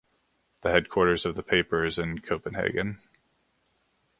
The headquarters of the paper is in Copenhagen.